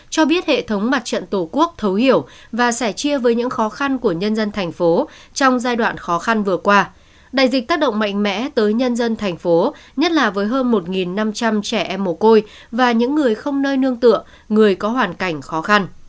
cho biết hệ thống mặt trận tổ quốc thấu hiểu và sẻ chia với những khó khăn của nhân dân thành phố trong giai đoạn khó khăn vừa qua đại dịch tác động mạnh mẽ tới nhân dân thành phố nhất là với hơn một năm trăm linh trẻ em mồ côi và những người không nơi nương tựa người có hoàn cảnh khó khăn